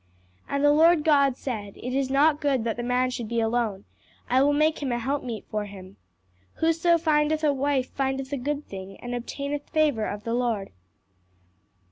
"'And the Lord God said, It is not good that the man should be alone; I will make him an help meet for him.' 'Whoso findeth a wife findeth a good thing, and obtaineth favour of the Lord.'"